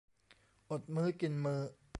อดมื้อกินมื้อ